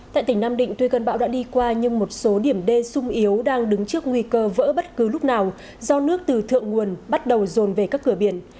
tại tỉnh nam định tuy cơn bão đã đi qua nhưng một số điểm đê sung yếu đang đứng trước nguy cơ vỡ bất cứ lúc nào do nước từ thượng nguồn bắt đầu rồn về các cửa biển